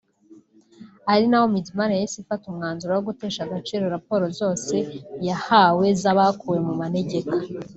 ari naho Midimar yahise ifata umwanzuro wo gutesha agaciro raporo zose yahawe z’abakuwe mu manegeka